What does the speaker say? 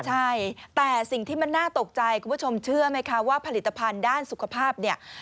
ใช่แต่สิ่งที่มันน่าตกใจคุณผู้ชมเชื่อไหมคะว่าผลิตภัณฑ์ด้านสุขภาพเนี่ย